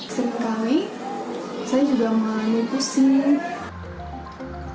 setiap kali saya juga malu pusing